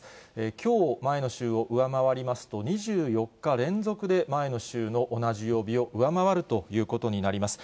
きょう、前の週を上回りますと、２４日連続で前の週の同じ曜日を上回るということになります。